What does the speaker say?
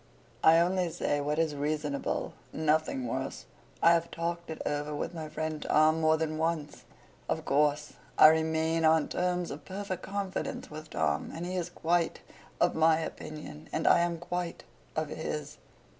'I only say what is reasonable; nothing worse. I have talked it over with my friend Tom more than once—of course I remain on terms of perfect confidence with Tom—and he is quite of my opinion, and I am quite of his.